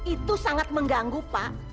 itu sangat mengganggu pak